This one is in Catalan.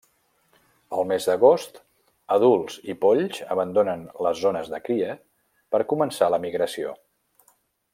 Al mes d’agost, adults i polls abandonen les zones de cria per començar la migració.